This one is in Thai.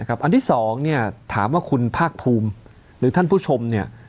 อันที่๒นี่ถามว่าคุณภาครูมหรือท่านผู้ชม